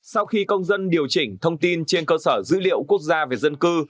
sau khi công dân điều chỉnh thông tin trên cơ sở dữ liệu quốc gia về dân cư